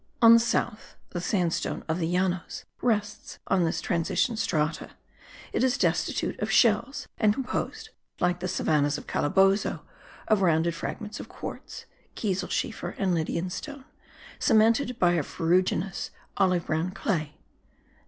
On the south the sandstone of the Llanos rests on this transition strata; it is destitute of shells and composed, like the savannahs of Calabozo, of rounded fragments of quartz,* kieselschiefer and Lydian stone, cemented by a ferruginous olive brown clay.